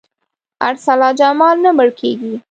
ارسلا جمال نه مړ کېږي.